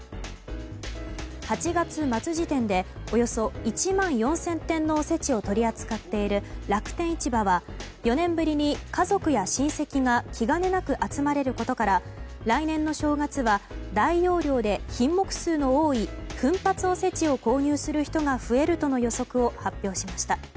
８月末時点でおよそ１万４０００点のおせちを取り扱っている楽天市場は４年ぶりに家族や親せきが気兼ねなく集まれることから来年の正月は大容量で品目数の多い奮発おせちを購入する人が増えるとの予測を発表しました。